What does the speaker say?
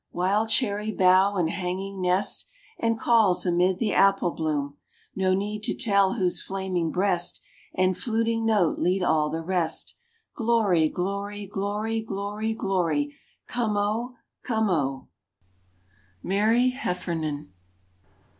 Wild cherry bough and hanging nest, And calls amid the apple bloom, No need to tell whose flaming breast And fluting note lead all the rest,— Glory—Glory—Glory—Glory— Glory,—Come O, Come O—. —Mary Hefferan.